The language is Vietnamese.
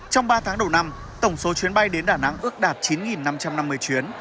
trong ba tháng đầu năm tổng số chuyến bay đến đà nẵng ước đạt chín năm trăm năm mươi chuyến